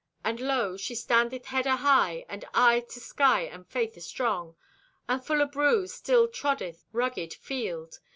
And lo, she standeth head ahigh and eye to sky and faith astrong. And foot abruised still troddeth rugged field.